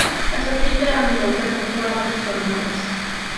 Gall y prinder anadl gadw'r claf yn effro yn y nos.